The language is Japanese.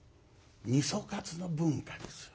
みそカツの文化ですよ。